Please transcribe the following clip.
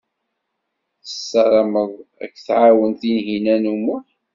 Tessaramed ad k-tɛawen Tinhinan u Muḥ.